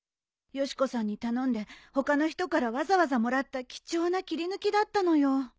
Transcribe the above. よし子さんに頼んで他の人からわざわざもらった貴重な切り抜きだったのよ。